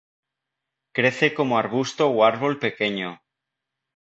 Crece como arbusto o árbol pequeño.